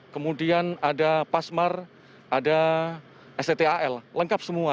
kemudian ada pasmar ada stt al lengkap semua